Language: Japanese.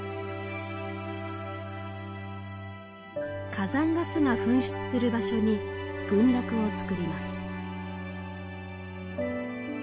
火山ガスが噴出する場所に群落をつくります。